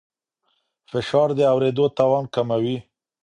فشار د اورېدو توان کموي.